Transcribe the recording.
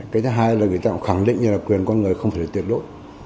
cái thứ hai là người ta cũng khẳng định rằng là quyền con người không phải là tiệt đối